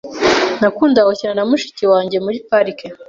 Nakundaga gukina na mushiki wanjye muri parike .